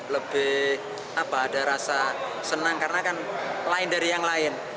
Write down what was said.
lebih apa ada rasa senang karena kan lain dari yang lain